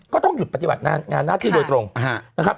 ก็ต้องหยุดปฏิบัติงานหน้าที่โดยตรงนะครับ